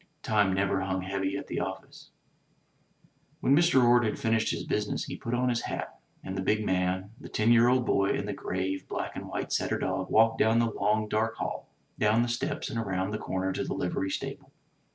Time never hung heavy at the office. When Mr. Orde had finished his business, he put on his hat, and the big man, the ten year old boy and the grave, black and white setter dog walked down the long dark hall, down the steps and around the comer to the livery stable.